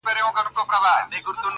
زما سجده دي ستا د هيلو د جنت مخته وي~